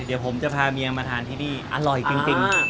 เดี๋ยวผมจะพาเมียมาทานที่นี่อร่อยจริง